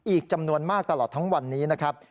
อีกจำนวนมากตลอดทั้งวันนี้นะครับ